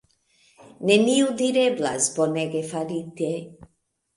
Nenio direblas, bonege farite!